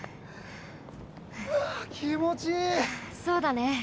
そうだね。